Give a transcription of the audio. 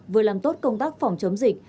vừa làm tốt công tác phòng chống dịch